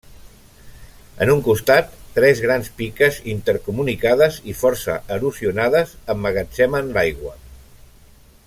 En un costat, tres grans piques intercomunicades i força erosionades emmagatzemen l'aigua.